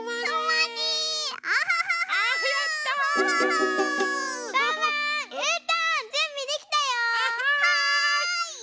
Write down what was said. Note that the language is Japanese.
はい。